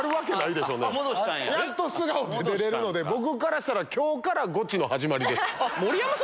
で出れるので僕からしたら今日からゴチの始まりです。